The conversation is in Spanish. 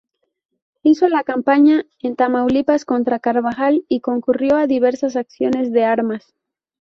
Hizo la campaña en Tamaulipas contra Carbajal, y concurrió a diversas acciones de armas.